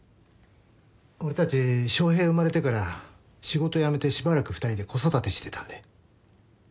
俺たち翔平生まれてから仕事辞めてしばらく２人で子育てしてたんで。